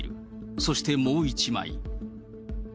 そしてもう１枚。